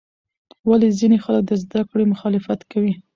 ولې ځینې خلک د زده کړې مخالفت کوي؟